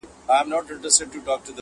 دا وزن دروند اُمي مُلا مات کړي.